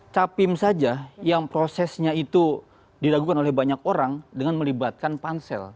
capim saja yang prosesnya itu dilakukan oleh banyak orang dengan melibatkan pansel